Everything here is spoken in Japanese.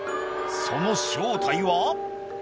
その正体は？